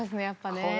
やっぱね。